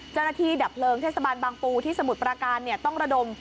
เจ้าหน้าที่ดับเลิงเทศบาลบางปูที่สมุทรปราการต้องระดม